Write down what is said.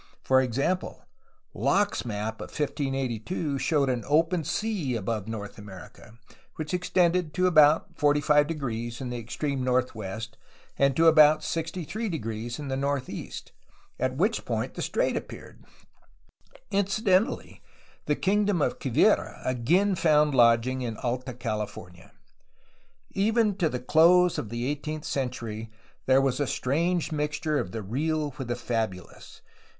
For example, Lok's map of 1582 showed an open sea above North America, which ex tended to about 45° in the extreme northwest and to about 63° in the northeast, at which point the strait appeared. Incidentally, the kingdom of Quivira again found lodging in Alta California. Even to the close of the eighteenth cen tury there was a strange mixture of the real with the fabulous.